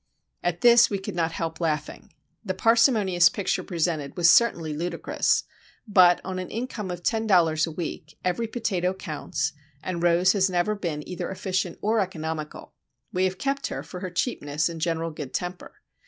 At this we could not help laughing. The parsimonious picture presented was certainly ludicrous;—but, on an income of ten dollars a week, every potato counts, and Rose has never been either efficient or economical. We have kept her for her cheapness and general good temper.